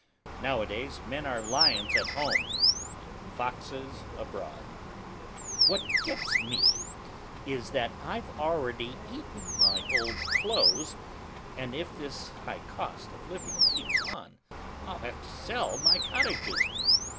Nowadays, men are lions at home and foxes abroad. What gets me is, that I've already eaten my old clothes, and if this high cost of living keeps on, I'll have to sell my cottages!